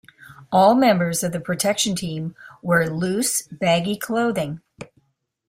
All members of the protection team wear loose, baggy clothing.